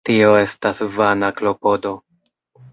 Tio estas vana klopodo.